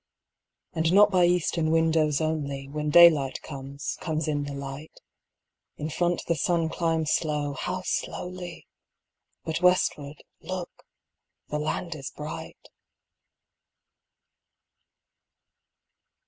And not by eastern windows only, When daylight comes, comes in the light; In front the sun climbs slow, how slowly! But westward, look, the land is bright!